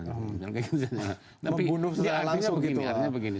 membunuh secara langsung gitu